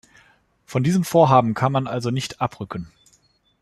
Von diesem Vorhaben kann man also nicht abrücken.